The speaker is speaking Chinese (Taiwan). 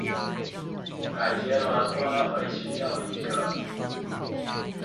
感覺麻瓜會需要一個